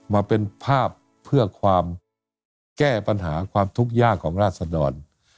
มาเป็นภาพเพื่อความแก้ปัญหาความทุกข์ยากของราศดร